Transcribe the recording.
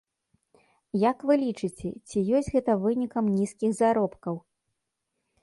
Як вы лічыце, ці ёсць гэта вынікам нізкіх заробкаў?